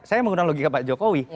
saya menggunakan logika pak jokowi